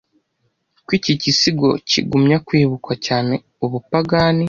ko iki gisigo kigumya kwibuka cyane ubupagani